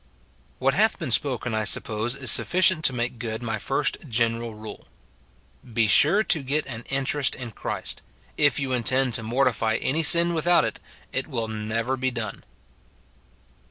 What hath been spoken I suppose is sufficient to make good my first general rule ;— Be sure to get an interest in Christ; if you intend to mortify any sin without it, it will never he done.